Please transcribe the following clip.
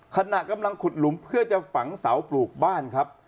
ขณะกำลังขุดหลุมเพื่อจะฝังเสาปลูกบ้านครับ